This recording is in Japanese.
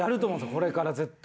これから絶対。